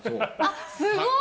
すごい。